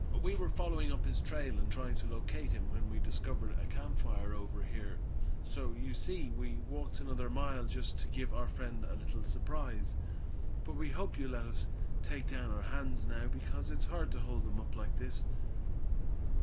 We were following up his trail, and trying to locate him, when we discovered a camp fire over here. So you see, we walked another mile just to give our friend a little surprise. But we hope you'll let us take down our hands now, because it's hard to hold them up like this."